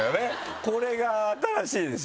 これが新しいですよね。